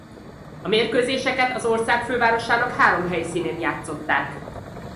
A mérkőzéseket az ország fővárosának három helyszínén játszották.